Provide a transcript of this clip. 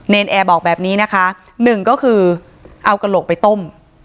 นแอร์บอกแบบนี้นะคะหนึ่งก็คือเอากระโหลกไปต้ม